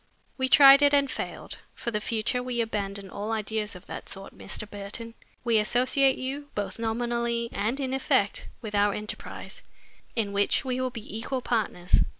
We tried it and failed. For the future we abandon all ideas of that sort, Mr. Burton. We associate you, both nominally and in effect, with our enterprise, in which we will be equal partners.